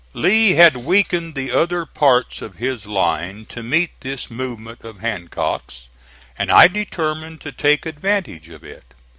Lee had weakened the other parts of his line to meet this movement of Hancock's, and I determined to take advantage of it.